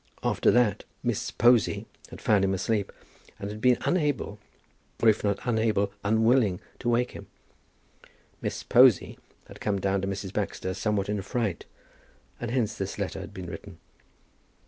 After that "Miss Posy" had found him asleep, and had been unable, or if not unable, unwilling, to wake him. "Miss Posy" had come down to Mrs. Baxter somewhat in a fright, and hence this letter had been written.